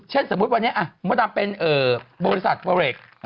เช่นสมมติวันนี้มันตามเป็นบริษัทเวอร์เรก